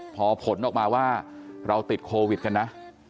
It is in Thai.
พอผลออกมาว่าเราติดโควิดกันนะ